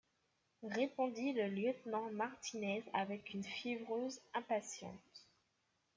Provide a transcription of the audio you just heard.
répondit le lieutenant Martinez avec une fiévreuse impatience.